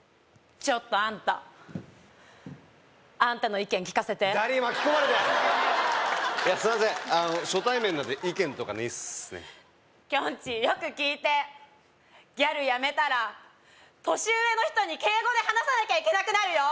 ちょっとあんたあんたの意見聞かせてだりい巻き込まれたいやすいません初対面なんで意見とかねえっすねきょんちぃよく聞いてギャルやめたら年上の人に敬語で話さなきゃいけなくなるよ